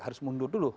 harus mundur dulu